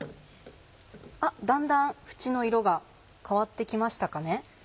だんだん縁の色が変わって来ましたかね。